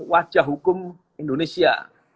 wajah hukum indonesia